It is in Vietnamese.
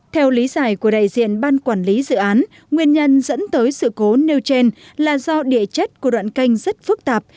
theo lý giải của đại diện ban quản lý dự án nguyên nhân dẫn tới sự cố nêu trên là do địa chất của đoạn canh rất phức tạp